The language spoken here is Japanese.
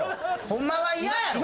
ホンマは嫌やろ！